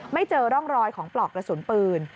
เจอร่องรอยของปลอกกระสุนปืน